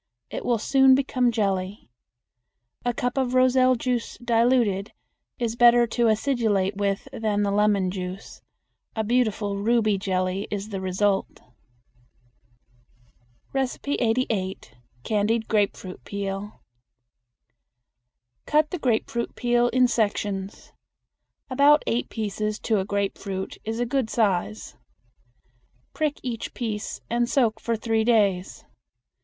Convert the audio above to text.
It will soon become jelly. A cup of roselle juice diluted is better to acidulate with than the lemon juice. A beautiful ruby jelly is the result. 88. Candied Grapefruit Peel. Cut the grapefruit peel in sections. About eight pieces to a grapefruit is a good size. Prick each piece and soak for three days.